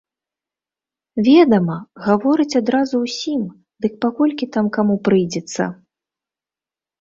Ведама, гавораць адразу ўсім, дык па колькі там каму прыйдзецца!